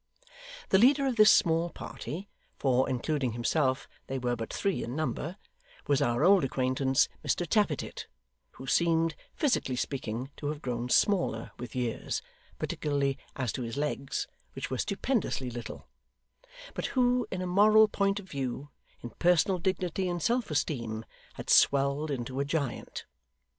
The leader of this small party for, including himself, they were but three in number was our old acquaintance, Mr Tappertit, who seemed, physically speaking, to have grown smaller with years (particularly as to his legs, which were stupendously little), but who, in a moral point of view, in personal dignity and self esteem, had swelled into a giant.